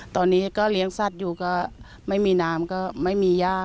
ตอนนี้ก็เลี้ยงสัตว์อยู่ก็ไม่มีน้ำก็ไม่มีย่า